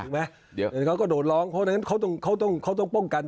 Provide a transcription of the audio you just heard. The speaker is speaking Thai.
วันยังอ